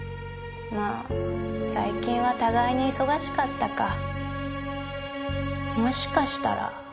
まあ最近は互いに忙しかったかもしかしたら。